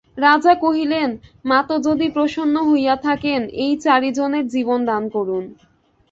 রাজা কহিলেন, মাত যদি প্রসন্ন হইয়া থাকেন এই চারি জনের জীবন দান করুন।